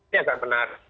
jadi ini agak benar